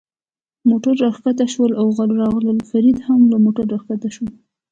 موټرو را کښته شول او راغلل، فرید هم له موټره را کښته شو.